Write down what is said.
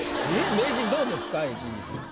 名人どうですか？